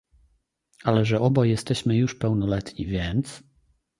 "Ale, że obaj jesteśmy już pełnoletni, więc..."